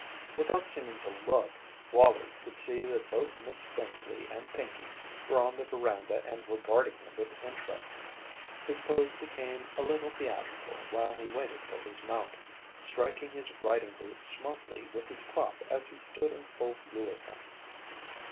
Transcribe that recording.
Without seeming to look, Wallie could see that both Miss Spenceley and Pinkey were on the veranda and regarding him with interest. His pose became a little theatrical while he waited for his mount, striking his riding boot smartly with his crop as he stood in full view of them.